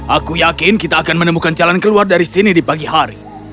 aku yakin kita akan menemukan jalan keluar dari sini di pagi hari